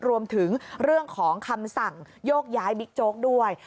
รวมถึงเรื่องของคำสั่งโยกย้ายบิ๊กโจ๊กด้วย